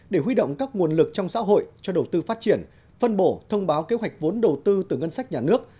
để huy động các nguồn lực trong xã hội cho đầu tư phát triển phân bổ thông báo kế hoạch vốn đầu tư từ ngân sách nhà nước